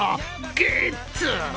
ゲッツ！